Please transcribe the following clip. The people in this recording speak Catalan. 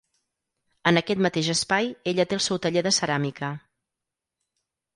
En aquest mateix espai ella té el seu taller de ceràmica.